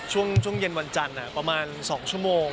ช่วงเย็นวันจันทร์ประมาณ๒ชั่วโมง